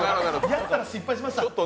やったら失敗しました。